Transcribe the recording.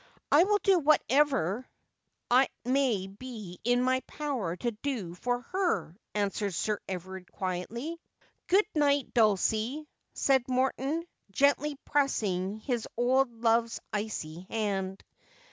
' I will do whatever it may be in my power to do for her,' answered Sir Everard quietly. 'Good night, Dulcie,' said Morton, gently pressing his old love's icy hand.